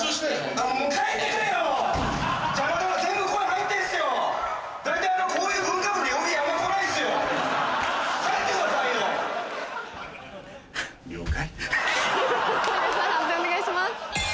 判定お願いします。